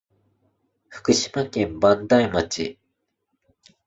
福島県磐梯町